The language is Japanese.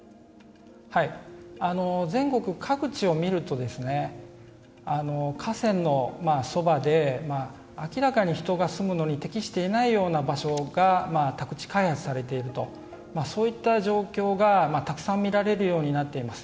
全国各地を見ると河川のそばで明らかに人が住むのに適していない場所が宅地開発されているとそういった状況がたくさん見られるようになっています。